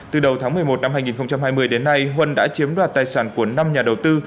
từ đầu tháng một mươi một năm hai nghìn hai mươi đến nay huân đã chiếm đoạt tài sản của năm nhà đầu tư